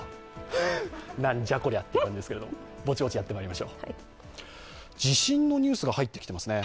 なんじゃ、こりゃという感じですけど、ぼちぼちやってまいりましょう地震のニュースが入ってきていますね。